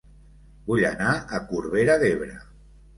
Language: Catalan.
Vull anar a Corbera d'Ebre